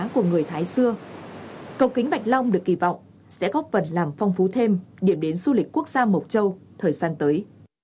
cầu kính bạch long được kỳ vọng sẽ góp phần làm phong phú thêm điểm đến du lịch quốc gia mộc châu thời gian tới